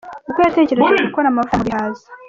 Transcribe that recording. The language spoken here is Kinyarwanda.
Uko yatekereje gukora amavuta mu bihaza .